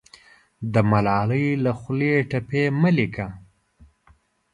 د ملالۍ له خولې ټپې مه لیکه